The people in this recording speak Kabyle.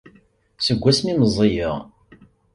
Seg wami i meẓẓiyeɣ.